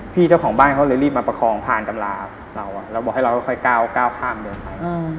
เจ้าของบ้านเขาเลยรีบมาประคองผ่านตำราเราแล้วบอกให้เราค่อยก้าวข้ามเดินไป